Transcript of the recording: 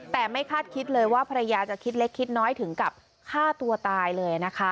แต่ไม่คาดคิดเลยว่าภรรยาจะคิดเล็กคิดน้อยถึงกับฆ่าตัวตายเลยนะคะ